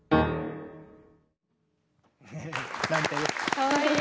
かわいい！